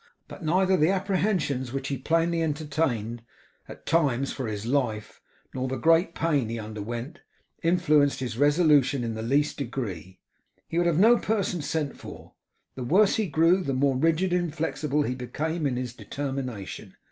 But neither the apprehensions which he plainly entertained, at times, for his life, nor the great pain he underwent, influenced his resolution in the least degree. He would have no person sent for. The worse he grew, the more rigid and inflexible he became in his determination.